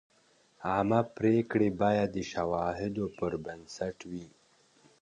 عامه پریکړې باید د شواهدو پر بنسټ وي.